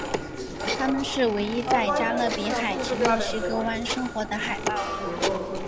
它们是唯一在加勒比海及墨西哥湾生活的海豹。